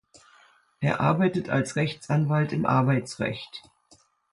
Er arbeitet als Rechtsanwalt im Arbeitsrecht.